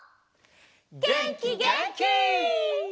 げんきげんき！